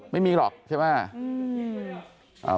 ไม่มีหรอกใช่ไหม